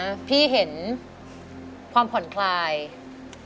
ทั้งในเรื่องของการทำงานเคยทำนานแล้วเกิดปัญหาน้อย